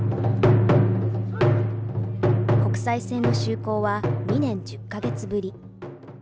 国際線の就航は、２年１０か月ぶり。